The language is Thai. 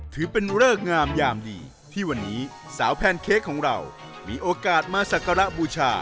ถือเป็นเริกงามยามดีที่วันนี้สาวแพนเค้กของเรามีโอกาสมาสักการะบูชา